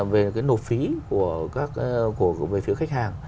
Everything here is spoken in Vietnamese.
về cái nộp phí của các cái phía khách hàng